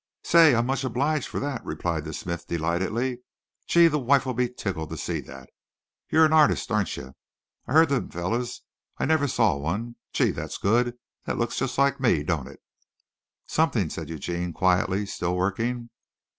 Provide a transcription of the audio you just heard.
"Say, I'm much obliged fer that," replied the smith delightedly. "Gee, the wife'll be tickled to see that. You're a artist, ain't cher? I hearda them fellers. I never saw one. Gee, that's good, that looks just like me, don't it?" "Something," said Eugene quietly, still working.